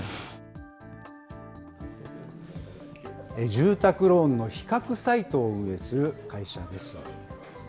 住宅ローンの比較サイトを運営する会社です。